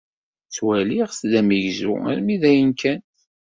Ttwaliɣ-t d amegzu armi d ayen kan.